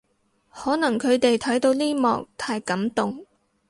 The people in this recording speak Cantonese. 可能佢哋睇到呢幕太感動